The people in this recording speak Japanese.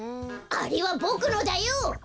あれはボクのだよ！